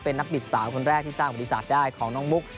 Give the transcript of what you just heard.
เป็นนักผิดสาวคนแรกที่สร้างบริษัทได้ของน้องมุก